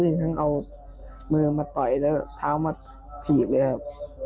นี่ทั้งเอามือมาต่อยแล้วเท้ามาถีบเลยครับ